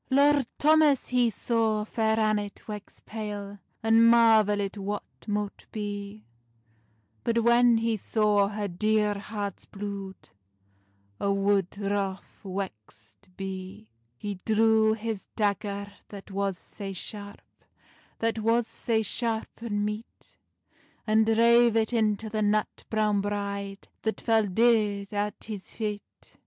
Lord Thomas he saw Fair Annet wex pale, And marvelit what mote bee; But when he saw her dear heart's blude, A' wood wroth wexed bee. He drew his dagger that was sae sharp, That was sae sharp and meet, And drave it into the nut browne bride, That fell deid at his feit.